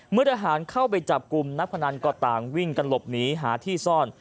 ทหารเข้าไปจับกลุ่มนักพนันก็ต่างวิ่งกันหลบหนีหาที่ซ่อน